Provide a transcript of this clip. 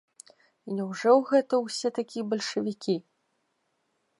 І няўжо гэта ўсе такія бальшавікі?